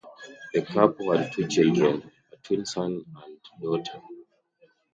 The couple had two children, a twin son and daughter.